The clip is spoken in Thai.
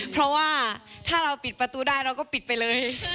เพราะว่าถ้าเราปิดประตูได้เราก็ปิดไปเลย